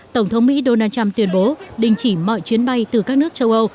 tổng thống mỹ donald trump tuyên bố đình chỉ mọi chuyến bay từ các nước châu âu